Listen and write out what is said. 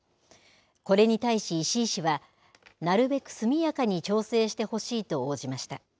これに対し石井氏は、なるべく速やかに調整してほしいと応じました。